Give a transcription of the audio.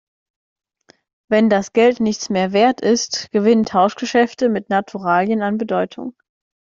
Wenn das Geld nichts mehr Wert ist, gewinnen Tauschgeschäfte mit Naturalien an Bedeutung.